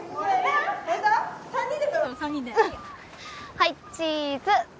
はいチーズ！